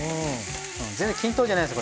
全然均等じゃないですね。